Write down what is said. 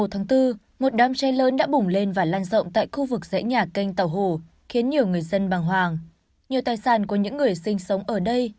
hãy đăng ký kênh để ủng hộ kênh của chúng mình nhé